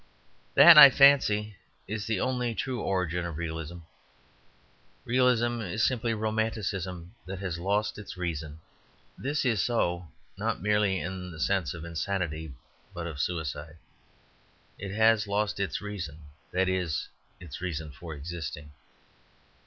That, I fancy, is the only true origin of Realism. Realism is simply Romanticism that has lost its reason. This is so not merely in the sense of insanity but of suicide. It has lost its reason; that is its reason for existing.